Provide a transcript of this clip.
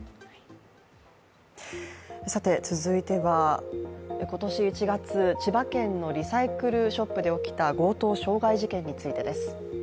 続いては今年１月、千葉県のリサイクルショップで起きた強盗傷害事件についてです。